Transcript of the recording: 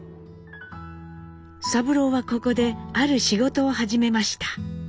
三郎はここである仕事を始めました。